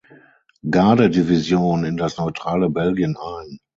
Garde-Division in das neutrale Belgien ein.